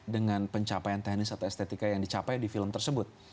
dengan pencapaian teknis atau estetika yang dicapai di film tersebut